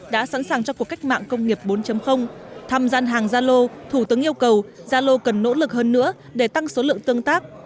đã sẵn sàng cho cuộc cách mạng công nghiệp bốn thăm gian hàng zalo thủ tướng yêu cầu zalo cần nỗ lực hơn nữa để tăng số lượng tương tác